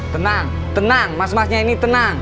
tenang tenang mas masnya ini tenang